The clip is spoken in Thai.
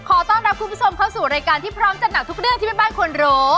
ขอต้อนรับคุณผู้ชมเข้าสู่รายการที่พร้อมจัดหนักทุกเรื่องที่แม่บ้านควรรู้